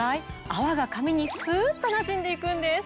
泡が髪にスっとなじんでいくんです。